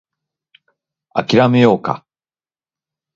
諦めようか